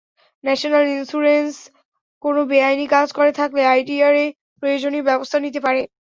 National insurance কোনো বেআইনি কাজ করে থাকলে আইডিআরএ প্রয়োজনীয় ব্যবস্থা নিতে পারে।